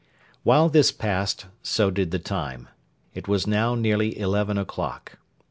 While this passed, so did the time. It was now nearly eleven o'clock.